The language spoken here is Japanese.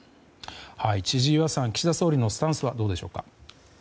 千々岩さん、岸田総理のスタンスはどうでしょうか。